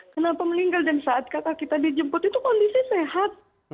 kenapa meninggal dan saat kata kita dijemput itu kondisi sehat